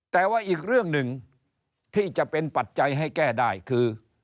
แต่ว่าอีกเรื่องหนึ่งที่จะเป็นปัจจัยให้แก้ได้คือ